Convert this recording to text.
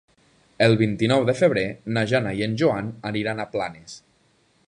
El vint-i-nou de febrer na Jana i en Joan aniran a Planes.